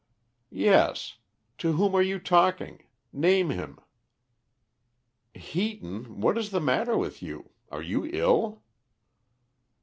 "Yes. To whom are you talking? Name him." "Heaton, what is the matter with you? Are you ill?"